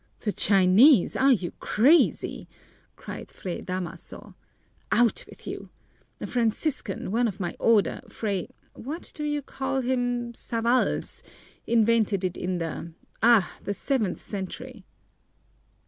"The Chinese! Are you crazy?" cried Fray Damaso. "Out with you! A Franciscan, one of my Order, Fray What do you call him Savalls, invented it in the ah the seventh century!"